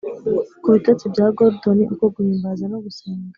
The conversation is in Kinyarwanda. ku bitotsi bya gordon, uko guhimbaza no gusenga